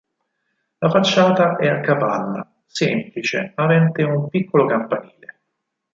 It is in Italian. La facciata è a capanna, semplice, avente un piccolo campanile.